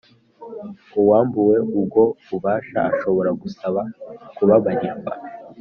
Uwambuwe ubwo bubasha ashobora gusaba kubabarirwa